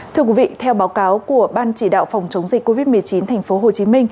thưa quý vị theo báo cáo của ban chỉ đạo phòng chống dịch covid một mươi chín tp hcm